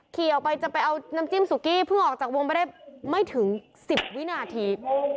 ออกไปจะไปเอาน้ำจิ้มสุกี้เพิ่งออกจากวงไปได้ไม่ถึง๑๐วินาที